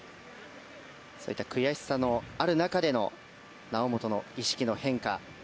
そういった悔しさのある中での猶本の意識の変化。